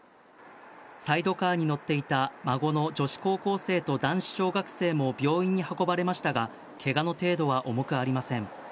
サイドカーに乗っていた孫の女子高校生と男子小学生も病院に運ばれましたが、けがの程度は重くありません。